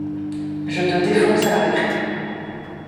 Je te défonce à la récré.